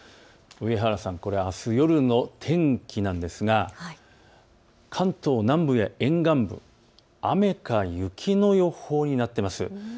上原さん、これはあす夜の天気なんですが関東南部や沿岸部、雨か雪の予報になっています。